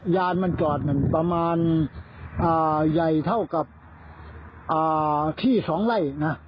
ยานมันจอดประมาณใหญ่เท่ากับที่สองไล่นะ